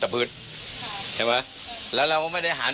พี่สมหมายก็เลย